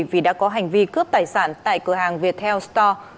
vì đã có hành vi cướp tài sản tại cửa hàng viettel store